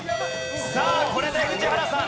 さあこれで宇治原さん。